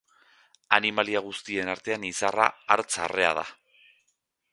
Animalia guztien artean izarra hartz arrea da.